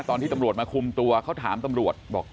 ตอนที่ตำรวจมาคุมตัวเขาถามตำรวจบอก